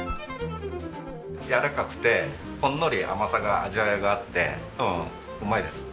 やわらかくてほんのり甘さが味わいがあってうんうまいです。